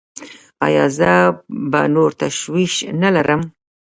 ایا زه به نور تشویش نلرم؟